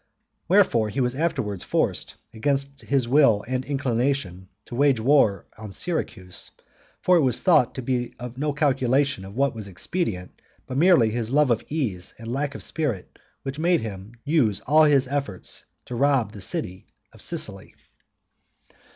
Wherefore he was afterwards forced, against his wish and inclination, to wage war on Syracuse, for it was thought to be no calculation of what was expedient, but merely his love of ease and lack of spirit which made him use all his efforts to rob the city of Sicily.